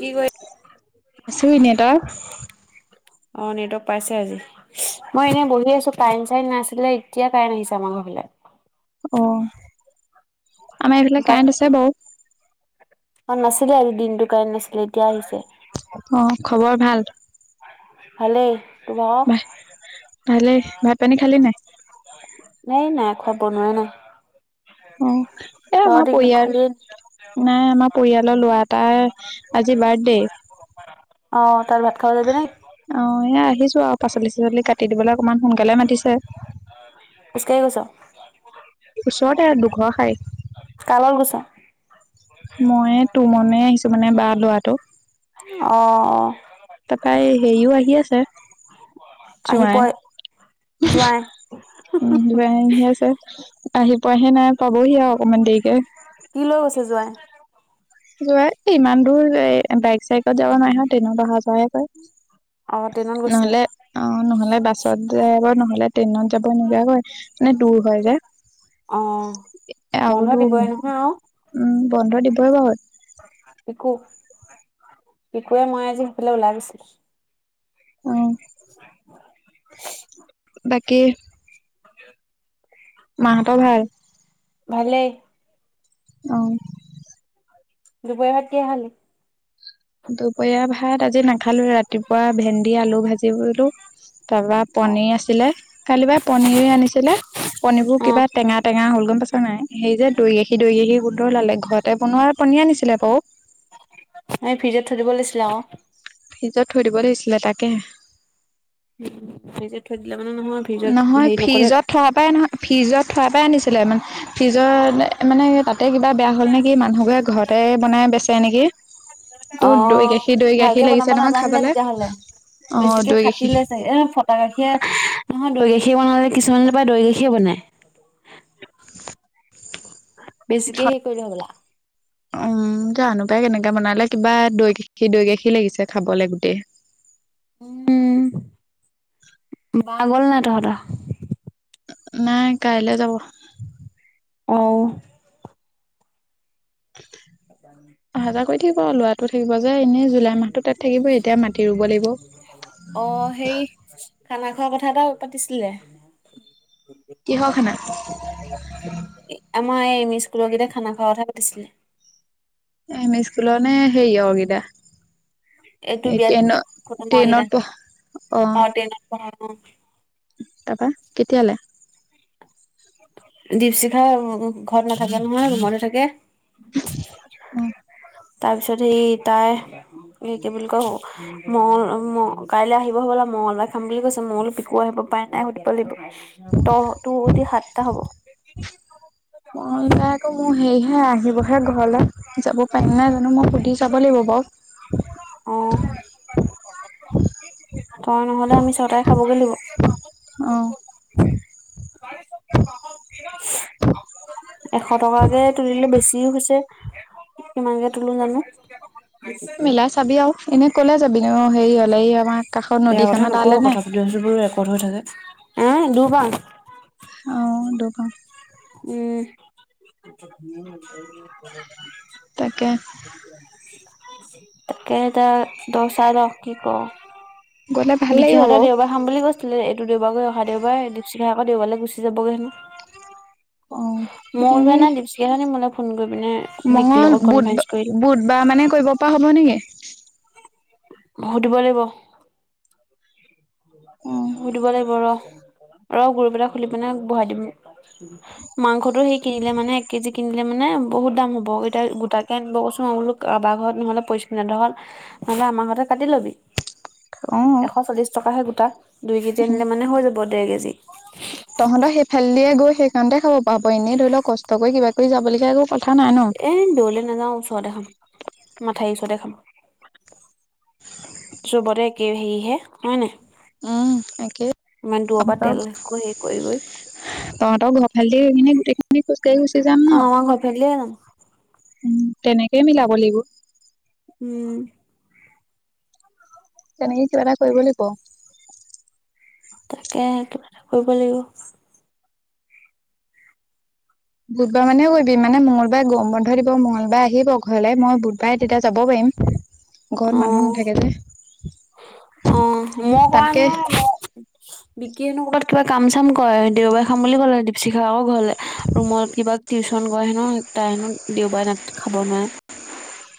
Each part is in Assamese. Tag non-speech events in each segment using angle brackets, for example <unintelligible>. কি কৰি আছো। এনে তই অ নেটৱৰ্ক পাইছে। আজি মই এনেই বহি আছো কাৰেণ্ট চাইণ্ট নাছিলে এতিয়া কাৰেণ্ট আহিছে আমাৰ ঘৰ ফিলে। অ আমাৰ এইফালে কাৰেন্ট আছে বাও কাৰণ নাছিলে আজি দিনটো কাৰণে নাছিলে এতিয়া আহিছে অ খবৰ ভাল। ভালেই তোমাৰ ভালেই ভাত পানী খালি নাই। নাই নাই খোৱা বনোৱাই নাই। অ এ আমা তহঁতি খালি পইয়াৰ নাই আমাৰ পৰিয়ালৰ ল'ৰা এটাৰ আজি বাৰ্থডে। অ তাৰ ভাত খাব যাবি নে অ এয়া আহিছো আও পাচলি চাচলি কাটি দিবলে অকণমান সোনকালে মাতিছে খুজকাই গৈছো। ওচৰতে আৰু দুঘৰ খাই। কাৰ লগত গৈছ মই তোৰমনে আহিছো মানে বা ল'ৰাটো। অ অ তাৰাপৰা হেৰিও আহি আছে। আহি জোঁৱাই পই যোৱাই। <unintelligible> আছে আহি পোৱাহে নাই পাবহি আও অকমান দেৰিকে কি লৈ গৈছে জোৱাই জোৱাই ইমান দূৰ বাইক চাইকত যাব নোৱাই হত ট্ৰেইনত অহা যোৱাহে অ ট্ৰেইনত কৰে গৈছিলে নহলে অ নহলে বাছত যাই বাৰু নহলে ট্ৰেইনত যাব নযা হয় মানে দূৰ হয় যে। অ বন্ধ আৰুতো দিবই নহয় অ উম বন্ধ দিবই বা। পিকু পিকুৱে মই আজি সেইফালে ওলাই গৈছিল। আহ। <unintelligible> বাকী <unintelligible> মাহঁতৰ ভাল? ভালে। অ দূপৰিয়া ভাত কি হয় খালি। দুপৰীয়া ভাত আজি নাখালো ৰাতিপুৱা ভেন্দি আলু ভাজি ললো। তাৰপা অ পনিৰ আছিলে কালি বা পনিৰ আনিছিলে, পনীবোৰ অ কিবা টেঙা টেঙা হ'ল গম ছ নাই সেই যে দৈ গাখী দৈ গাখী গোন্ধৰ লালে ঘৰতে বনোৱা পনীয়া আনিছিলে বৌ। এই ভিৰিত থৈ দিব লাগিছিলে আৰু। ফ্ৰিজত থৈ দিব ধৰিছিলে তাকে। ফ্ৰীজত থৈ দিলে মানে নহয় ফ্ৰিজত নহয় হেৰি নকলে ফ্ৰিজত থোৱাৰ পৰাই নহয় ফ্ৰিজত থোৱাৰ পৰাই আনিছিলোন ফ্ৰিজত মানে তাত। তাতে কিবা বেয়া হ'ল নেকি মানুহবোৰে ঘৰতে বনাই বেচে নেকি। অ তোৰ দৈ গাখীৰ দৈ গাখীৰ ভালকে লাগিছে বনাব নহয় নাজানিলে খাবলে। তেতিয়াহ'লে অ বেছিকে দৈ গাখীৰ ফাটিলে চাগ এ ফটা গাখিৰ নহ দৈ গাখীৰ বনালে কিছুমানলৈ পৰা দৈাখীয়ে বনায়। <inaudible> বেছিকে সেই কৰিলে বলা- উম, জানো পাই কেনেকে বনালে কিবা দৈ গাখীৰ - দৈ গাখীৰ লাগিছে খাবলৈ গোটেই। <unintelligible> উম, মা গল ন তহঁতৰ? ও, নাই কাইলে যাব। অ ', <unintelligible> ল'ৰাটো থাকিব যে এনেই জুলাই মাহটো তাত থাকিবই এতিয়া মাটি ৰুব লাগিব অ সেই। খানা খোৱাৰ কথা এটা পাতিছিলে। কিহৰ খান। মি স্কুলৰ কেইটটা খানা খুওৱা কথা পাতিছিলে। এম ই স্কুল নে সেই অ কেইটা। এইটো এই বিয়াত ট্ৰেইনত খ ম ট্ৰেইনত পঢ় অ <unintelligible> তাৰপা কেতিয়ালে? দীপশিখা ঘৰত নাথাকে নহয় মৰে থাকে। অ', তাৰ পিছত সেই তাই। এই কি বুলি কয় হ মঙল কাইলৈ আহিব হ'ব মঙলবাৰ খাম বুলি কৈছে মলো পিকু আহিব। উপায় নাই সুধিব লাগিব ত তোৰ সদি সাতটা হ'ব। মই নাই আকৌ মোৰ হেৰিহে আহিবহে ঘৰলৈ যাব পাৰিল নাই জানো মই সুধি যাব লাগিব বাৰু। <unintelligible> অ', <unintelligible> তই নহ'লে আমি ছটাই। অ চাৰি বি <unintelligible> এশ টকাকে তুলিলে বেছিও হৈছে কিমানকে তুলো জানো। মিলাই চাবি আৰু এনেই কলে যাবি ন হেৰি হলে এই আমাৰ কাষৰ বেয়া কথা নদীখনত নকওঁ তালে? <unintelligible> ৰেকৰ্ড হৈ থাকে এ দুবাৰ। অ, দুবাৰ। <unintelligible> তাকে। তাকেটা দচা ল কি কও। গলে ভাল লাগিব বিকিহঁতে বাৰু দেওবাৰ খাম বুলি কৈছিলে এইটো দেওবাৰ গৈ অহা দেওবাৰ দীপশিখা আকৌ দেওবাৰলৈ গুছি <inaudible> অ এনেই মঙল বুধ কৰিলো। বুধবাৰ মানে কৰিব পৰা হ'ব নেকি? সুধিব লাগিব, অ সুধিব লাগিব ৰহ। <inaudible> ৰ গুুৰ পেলাই খুলি পিনে বহাই দিম মাংসটো সেই কিনিলে মানে এক কেজি কিনিলে মানে বহুত দাম হ'ব এতিয়া গোটাকে আনিব কৈছোঁ মই বোলোঁ কাবাৰ ঘৰত নহলে পইচ ধৰক <unintelligible> নহ'লে আমাৰ ঘৰতে কাটি লবি অ', এশ চল্লিশ টকাহে গোটা। দুই কেজি আনিলে মানে হৈ যাব ডেৰ কেজি। তহঁতৰ সেইফালে দিয়ে গৈ সেইখনতে খাব পাৰ বা এনেই ধৰি ল কষ্ট কৰি কিবা কৰি যাব লগীয়া <unintelligible> এ দূৰলে নাযাও ওচৰতে খাম, মাথাইৰি ওচৰতে খাম। চুবতে একে হেৰিহে হয় নাই? উম তাকে ইমান দূৰৰ পৰা তেল তহঁতৰ <unintelligible> কৰি কৰি। তহঁতৰ ঘৰৰ ফালেদি কিনে গোটেইখিনি খোজকাঢ়ি গুচি যাম অ ন? আমাৰ ঘৰ ফালিয়ে যাম উম, তেনেকে মিলাব লাগিব। উম। তেনেকে কিবা এটা কৰিব লাগিব তাকে কিবা এটা কৰিব লাগিব। বুধবাৰ মানে কৰিবি মানে মঙলবাৰে গৰম বন্ধ দিব মঙলবাৰ আহিব ঘৰলে, মই বুধবাৰে তেতিয়া যাব পাৰিম। ঘৰত মানু নাথাকে যে। অহ, মই কৰা নাই তাতকে মই বিকিয়েনো কৰবাত কিবা কাম চাম কৰে দেওবাৰে খাম বুলি ক'লে দীপশিখাও ঘৰলে, ৰুমত কিবা টিউচন কৰে হেনো তাই হেনো দেওবাৰে না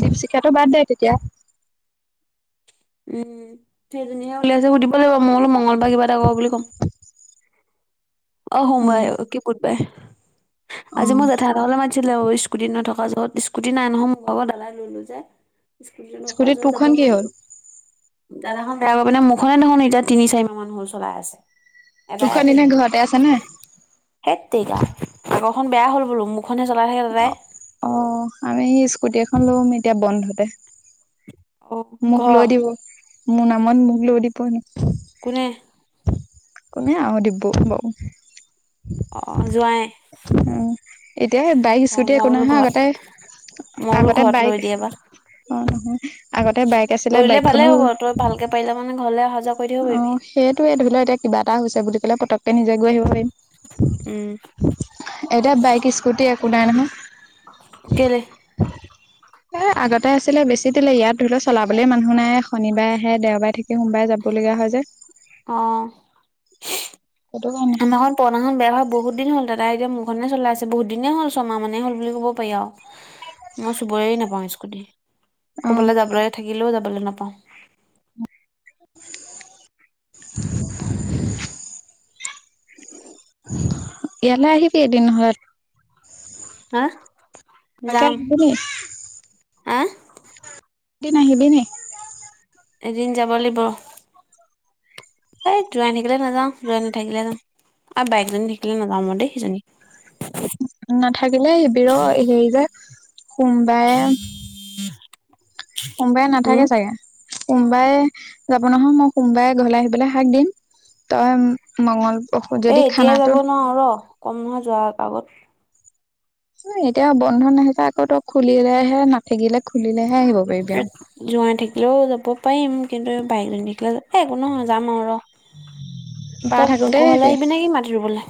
দীপশিখাটো বাদ দে তেতিয়া। উম সেইজনীহে উলিয়াইছে সুধিব লাগিব, মই বোলোঁ মংগলবাৰে কিবা এটা কৰ বুলি কম। অ উম। সোমবাৰে কি বুধবাৰে। আজি অ', মই জেঠাই হঁতৰ ঘৰলে মাতছিলে অইচ কুটি নথকাৰ যহত। স্কুটি নাই নহয় মোৰ ভাগত দাদাই লৈ লৈ যাই। স্কুটিত তোৰখন কি হ'ল? <unintelligible> দাদা খন বেয়া কৰি পিনে মোৰখনে দেখোন এতিয়া তিনি-চাৰি মাহ মান হ'ল চলাই আছে। দুখন দিনা ঘৰতে আছে নে? হেততেৰিকা আগৰ খন বেয়া হ'ল বোলো মোক অ', অ', আমি সেই স্কুটি এখন লম এতিয়া বন্ধতে। অ, মোক লৈ ক'। দিব। মোৰ নামত মোক লৈ দিব নেকি? কোনে কমে আৰু দিগবৌ বৌ অ', যোৱাই অ', এতিয়া সেই বাইক স্কুটি একো বোলো নহয় ঘৰত আগতে মই বোলো আগতে ঘৰত বাইক লৈ দিয়ে বা হয় হয় আগতে বাইক আছিলে লৈ দিলে ভালে বাইকখনো, হ'ব তই ভালকে পাৰিলে মানে ঘৰলে অহা যোৱা কৰি থাকিব অ, পাৰিবি সেইটোয়ে ধৰি লোৱা এতিয়া কিবা কিবা এটা হৈছে বুলি ক'লে, পতককে নিজে গৈ আহিব পাৰিম, উম এতিয়া বাইক স্কুটী <unintelligible> কেলে এ আগতে আছিলে বেছি দিলে, ইয়াত ধৰি ল চলাবলে মানুহ নাই শনিবাৰে আহে দেওবাৰে থাকি সোমবাৰে যাবলগীয়া এহাজাৰ অ', সেইটো কাৰণে আমাৰখন পুৰণা হল বেয়া হোৱা বহুত দিন হ'ল তাত। তাই এতিয়া মোৰখনে চলাই আছে বহুত দিনে হল সমাহ মানে হল বুলি ক'ব পাৰি আৰু। মই চুবৱে নাপাওঁ স্কুটি। অ ক'বালে যাবলে থাকিলেও যাবলে নাপাও। <unintelligible> ইয়ালে আহিবি এদিন ঘৰত হা যাম তাকমনি। আহ দ নাহিবি নি। এদিন যাব লাগিব। এই জোৱাই থাকিলে নাযাওঁ জোৱাই নাথাকিলে যাওঁ আৰু বাইকজনী থখিলে নাযাওঁ দেই সেইজনী নাথাকিলে শিবিৰো হেৰি যে সোমবাৰে। সোমবাৰই উম নাথাকে চাগে সোমবাৰে যাব নহয় মই সোমবাৰে ঘৰলে আহিবলৈ হাক দিম। তই মঙংগল এ এতিয় যাব নোৱাৰো ৰ', কম নহয় যোৱা আগত। এতিয়া বন্ধন ন আহিছো আকৌ তোক খুলিলেহে নাথাকিলে খুলিলেহে আহিব পাৰিবি আৰু। জোৱাই থাকিলেও যাব পাৰিম কিন্তু এই বাইকজন দেখিলে এই একো নহয় যাম আৰু ৰ'। বাহ তই থাকো দেই, ঘৰলৈ অহলে আহিবি নেকি মাটি ৰুবলৈ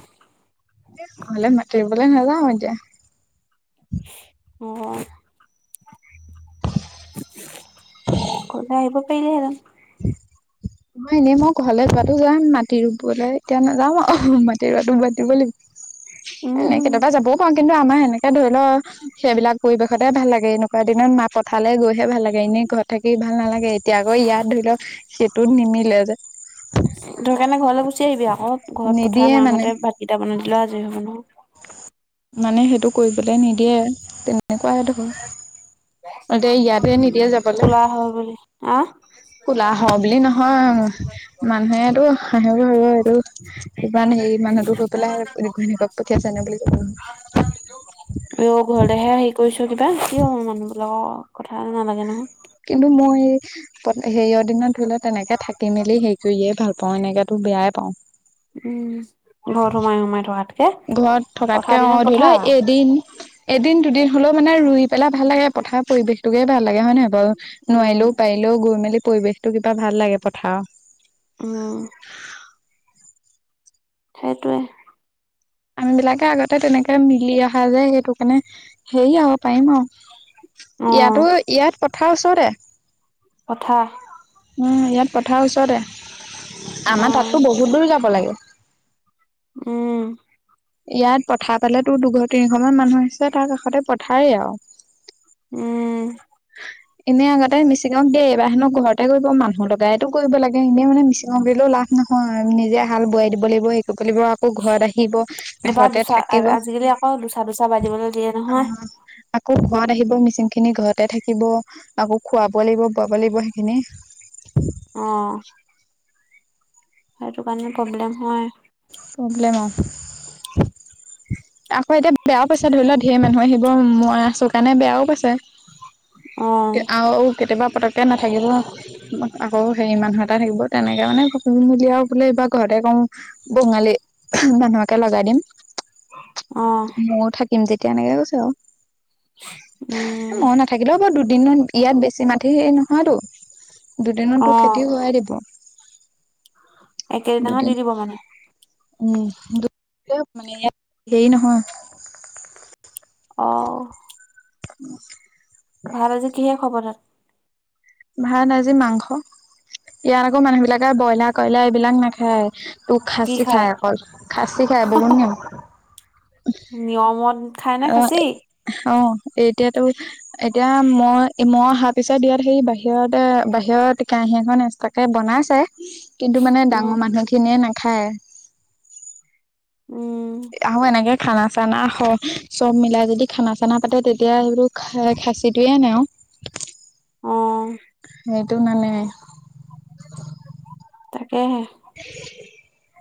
<unintelligible> মাতিব নাযাওঁ এতিয়া। অ'। ক'লে আহিব পাৰিলেহেঁতন? উ। মহ এনেই মই ঘৰলে পাতটো যাম মাটি ৰুবলৈ এতিয়া নাযাম অ', মাটি ৰুটো ব দিব লাগিব এনেই উম কেতিয়াবা যাবও পাৰো কিন্তু আমাৰ সেনেকে ধৰি ল সেইবিলাক পৰিৱেশতে ভাল লাগে এনেকুৱা দিনত মা পথাৰালে গৈহে ভাল লাগে এনেই ঘৰত থাকি ভাল নালাগে এতিয়া আকৌ ইয়াত ধৰি লওক সেইটোত নিমিলে যে ধৰিকাৰনে ঘৰলৈ গুচি আহিবি আকৌ ঘৰত পথাৰ নিদিয়ে মানে। মাহঁতে ভাতকেইটা বনাই দিলে আজৰি হ'ব নহয়। মানে সেইটো কৰিবলৈ নিদিয়ে তেনেকুৱাইে ধৰ। এতিয়া ইয়াতে নিদিয়ে <unintelligible> কোলা হয় বুলি আহ কোলা হয় বুলি নহয় মানুহেটো হাঁহিব এইটো ইমান হেৰি মানুহটো হৈ পেলাই ঘৈনিয়েকক <unintelligible> অ ঘৰতেহে আহি কৈছো কিবা কি হল মানুহব লগৰ কথা নালাগে নহয়। কিন্তু মই সেয়ৰ দিনত ধৰি লও তেনেকে থাকি মেলি হেই কৰিয়ে ভালা প এনেক তো বেয়াই পাওঁ। উম ঘত সোমাই সোমাই থকাত ঘৰত থকাতকে অ', ধৰি লোৱা এদিন এদিন দুদিন। বোল মানে ৰুই পেলা ভাল লাগে পথাৰ পৰিৱেশটোকে ভাল লাগে হয় নহয় বাৰু উম নোৱাৰিলেও পাৰিলেও গৈ মেলি পৰিৱেশতটো কিবা ভাল লাগে পথাৰ। অ'। সেইটোৱে। আম বিলাকে আগতে তেনেকে মিলি অহা যায় সেইটো কাৰণে। সেই আও পাৰিম আও অ ইয়াতো ইয়াত পথাৰ ওচৰতে। কথা ইয়াত পথাৰৰ ওচৰতে অ আমাৰ তাততো বহুত দূৰ যাব লাগে। উম। ইয়াত পঠাৰ পালে তো দুশ তিনিশ মান মানুহ আহিছে তাৰ কাষতে পথাৰেই আও। উম। এনেই আগতে মিচিঙও দিয়ে, এইবাহেনক ঘৰতে কৰিব মানুহ লগাইোটো কৰিব লাগে এনেই মানে মিচিঙক গলেও লাভ নহয় নিজে হাল বোৱাই দিব লাগিব শিকিব লাগিব আকৌ ঘৰত আহিব। এইবাৰ ঘৰতে দুচা থাকিব, অ'। আজিকালি আকৌ দুচা দুচা বাজিবলৈ দিয়ে নহয় আকৌ ঘৰত আহিব মিচিং খিনি ঘত তাতে থাকিব আকৌ খুৱাব লাগিব বোৱাব লাগিব সেইখিনি অহ। সেইটো কাৰণে প্ৰব্লেম হয়। প্ৰব্লেম অ। আকৌ এতিয়া বেয়াও পাইছে ধৰি লও ঢেৰ মানুহে আহিব মই আছো কাৰণে বেয়াও পাইছে। অ আৰু কেতিয়াবা পতক তে নাথাকিব আকৌ হেৰি মানুহ এটা থাকিব তেনেকৈ মানে পমূলীয়াও বোলে এইবাৰ ঘৰতে কওঁ বঙালী মানুহকে লগাই দিম অ ময়ো থাকিম তেত তিয়া এনেকে কৈছে আও। উম। মই দুদিনত ইয়াত বেছি মাটি হেৰি নহয়টো, অ দুদিনতো খেতি হয়ে দিব। একেইদিনাখন দুদিন দি দিব মানে। উম দু <unintelligible> মানে হেৰি নহয়। অ'। উম। ভাল আজি কিহে খোৱা কৰিলা। ভাত আজি মাংস, ইয়াত আকৌ মানুহ বিলাকে ব্ৰইলাৰ কইলাৰ এইবিলাক নাখায়। তোক কি খাচী খায় খাই অকল খাচী খাই বগুন নে, নিয়মত খাই নে খাচী। অ', এতিয়াতো এতিয়া মই মই অহাৰ পিছত দিয়াত হেৰি বাহিৰত বাহিৰত কেহী এখন এক্স্ৰাকে বনাই চে কিন্তু মানে উম ডাঙৰ মানুহ খিনিয়ে নাখায়। উম আহো এনেকে খানা চানা চব মিলাই যদি খানা চানা, তাতে তেতিয়া সেইবোৰ খ খাচীটোৱে আনে আও, আহ। সেইটো মানে। থাকেহে, <inaudible>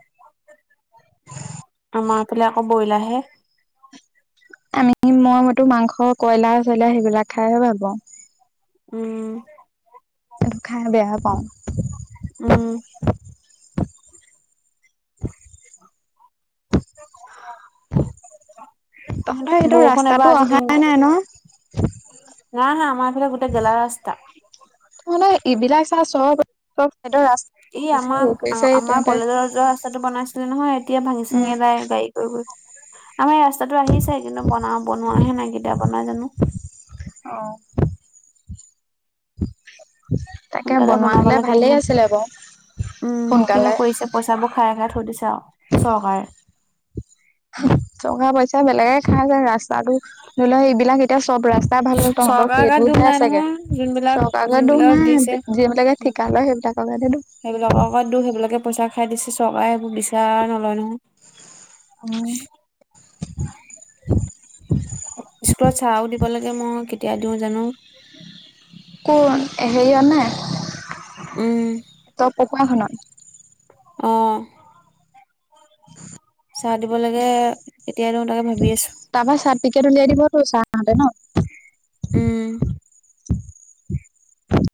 আমাৰফালে আকৌ বইলা হে। আমি মই মতো মাংস কইলা চইলা সেইবিলাক খাইহে ভাল পাও। উম সেইটো খাই বেয়া পাওঁ। উম <inaudible> তহঁতৰ এইটো বৰষুণ এবাৰ ৰাস্তাতটো আজি অহাই নাই ন। না হা আমাৰ ফালে গোটেই গেলা ৰাস্তা। তহঁতৰ <unintelligible> এই আমাক কৰিছে আমাৰ তহঁতে কলেজৰ ৰ যোৱা ৰাস্তাটো বনাইছিলে নহয় এতিয়া ভাঙি উম চিঙি এদায় গাড়ী গ গ আমাৰ এই ৰাস্তাটো আহিছে কিন্তু বনা বনোৱাহে নাই কেতিয়া বনাই জানো। অ তাকে সোনকালে বনোৱা বনাব হলে লাগে ভালে ইমান আছিলে বাৰু উম সোনকালে কিনো কৰিছে পইচাবোৰ খাই খাই থৈ দিছে আৰু চৰকাৰে। টকা পইচা বেলেগে খাই যায় ৰাস্তাটো ধৰি লোৱা এইবিলাক এতিয়া চব ৰাস্তাই ভাল হ তহঁতৰ চৰকাৰৰ গাত সেইটো দুখ হে নাই আছোগে নহয় যোনবিলাক চকাৰত দৰ যোনবিলাকক দিছে। নাই যিবিলাকে ঠিকা সেইবিলাকৰ তোক সেইবিলাকৰ লগত দুখ সেইবিলাকে, পইচা খাই দিছে চৰকাৰে এইবোৰ বিচাৰ নলয় নহয়। উম তেওঁ জানো। কোন হেৰিয় নে উম। ত পঢ়োৱাখনত। আহ। <unintelligible> চাহ দিব লাগে কেতিয় দিয়ো তাকে ভাবি আছো। টিকেট উলিয়াই দিবতো চা হতে ন, উম।